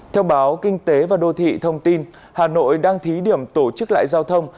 theo báo kinh tế và đô thị thông tin hà nội đang thí điểm tổ chức lại giao thông